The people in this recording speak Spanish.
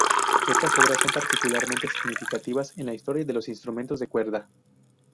Estas obras son particularmente significativas en la historia de los instrumentos de cuerda.